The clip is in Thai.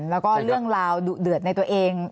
แล้วก็ใช่ครับเรื่องราวเดือดในตัวเอง